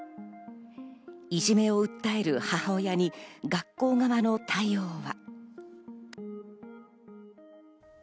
いじめを訴える母親に学校側の対応は。